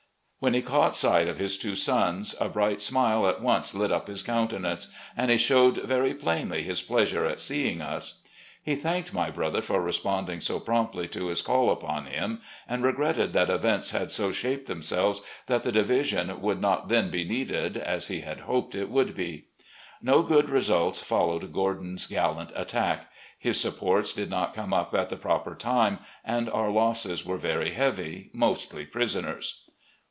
When he caught sight of his two sons, a bright smile at once lit up his coimtenance, and he showed very plainly his pleasure at seeing us. He thanked my brother for responding so promptly to his call upon him, and regretted that events had so shaped them selves that the division would not then be needed, as he had hoped it would be. No good results followed Gordon's gallant attack. His supports did not come up at the proper time, and our losses were very heavy, mostly prisoners.